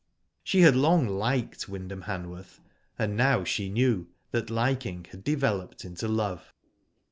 She had long liked Wyndham Hanworth, and now she knew that liking had developed into love.